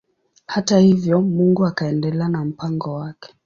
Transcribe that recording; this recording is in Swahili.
Hata hivyo Mungu akaendelea na mpango wake.